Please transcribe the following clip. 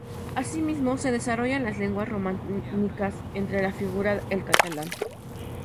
Asimismo, se desarrollan las lenguas románicas, entre las que figura el catalán.